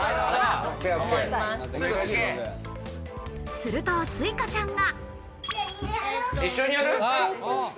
すると、すいかちゃんが。